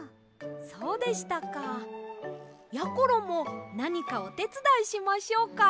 そうでしたか。やころもなにかおてつだいしましょうか？